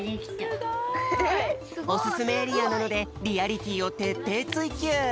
すごい。おすすめエリアなのでリアリティーをてっていついきゅう。